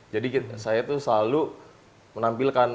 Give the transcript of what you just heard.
saya tuh selalu menampilkan